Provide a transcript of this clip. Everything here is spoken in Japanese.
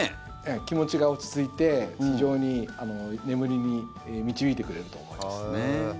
気持ちが落ち着いて非常に眠りに導いてくれると思いますね。